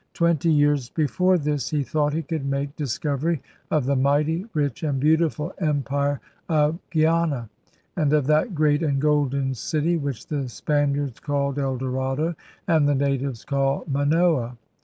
Twenty years before this he thought he could make * Discovery of the mighty, rich, and beautiful Empire of Guiana, and of that great and golden city, which the Span iards call El Dorado, and the natives call Manoa.